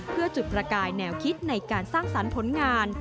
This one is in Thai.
เพื่อจุดประกายแนวคิดในการสร้างสรรค์ผลงาน